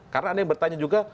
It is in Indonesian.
karena ada yang bertanya juga